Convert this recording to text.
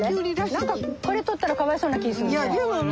何かこれ取ったらかわいそうな気ぃするね。